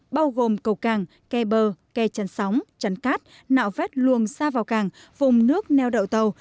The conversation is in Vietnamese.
bao gồm cầu càng ke bơ ke chắn sóng chắn cát nạo vét luồng xa vào càng vùng nước neo đậu tàu